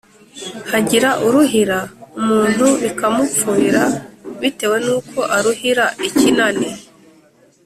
hagira uruhira umuntu bikamupfubira bitewe n'uko aruhira ikinani